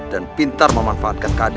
dan pintar memanfaatkan keadaan